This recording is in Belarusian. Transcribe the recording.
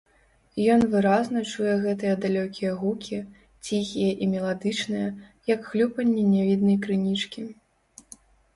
Ён выразна чуе гэтыя далёкія гукі, ціхія і меладычныя, як хлюпанне нявіднай крынічкі.